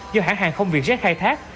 do hãng hàng không việt jet khai thác